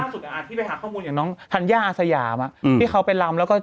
นี่นี่ล่าสุดอาทิตย์ว่าไปหาข้อมูลอย่างน้องธัญญาอาสยามที่เขาไปลำแล้วก็เจอ